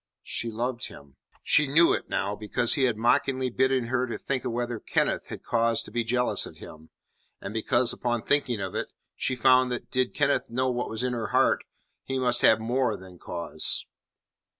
She loved him. She knew it now because he had mockingly bidden her to think whether Kenneth had cause to be jealous of him, and because upon thinking of it, she found that did Kenneth know what was in her heart, he must have more than cause.